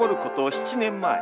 ７年前。